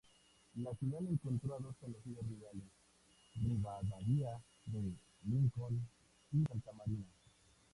La final encontró a dos conocidos rivales: Rivadavia de Lincoln y Santamarina.